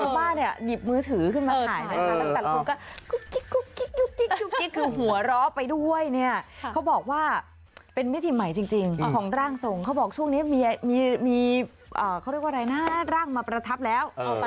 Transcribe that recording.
ใช่ค่ะชาวบ้านนี่หยิบมือถือขึ้นมาขาย